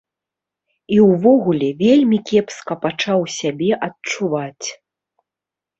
І ўвогуле, вельмі кепска пачаў сябе адчуваць.